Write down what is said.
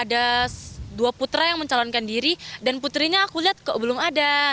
ada dua putra yang mencalonkan diri dan putrinya aku lihat kok belum ada